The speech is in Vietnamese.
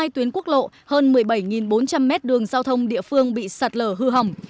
một mươi tuyến quốc lộ hơn một mươi bảy bốn trăm linh mét đường giao thông địa phương bị sạt lở hư hỏng